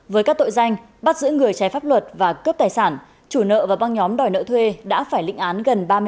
với các tội danh bắt giữ người cháy pháp luật và cướp tài sản chủ nợ và băng nhóm đòi nợ thuê đã phải lịnh án gần ba mươi năm